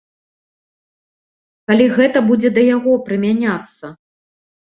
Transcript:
Калі гэта будзе да яго прымяняцца.